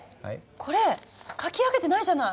これ描き上げてないじゃない。